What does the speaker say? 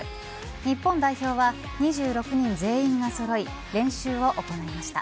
日本代表は２６人全員がそろい練習を行いました。